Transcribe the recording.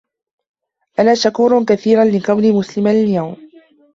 أنا شكور كثيرا لكوني مسلما اليوم.